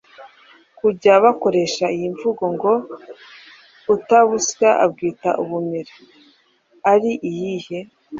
kujya bakoresha iyi mvugo ngo: “Utabusya abwita ubumera”ari iyihe